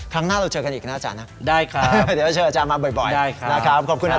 ครั้งหน้าเจอกันอีกนะอาจารย์นะเวลาเจออาจารย์มาบ่อยขอบคุณค่ะ